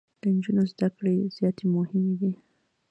د انجونو زده کړي زياتي مهمي دي.